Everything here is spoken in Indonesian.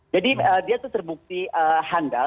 jadi dia itu terbukti handal